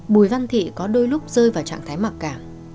bùi văn thị có đôi lúc rơi vào trạng thái mặc cảm